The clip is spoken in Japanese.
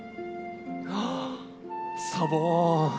ああサボン。